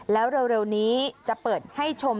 แล้วเร็วนี้จะเปิดให้ชม